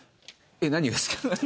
何がですか。